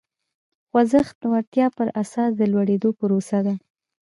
خوځښت د وړتیا پر اساس د لوړېدو پروسه ده.